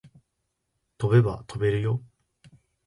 飛べば飛べるよ